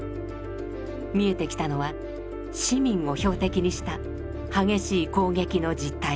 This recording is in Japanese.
見えてきたのは市民を標的にした激しい攻撃の実態だ。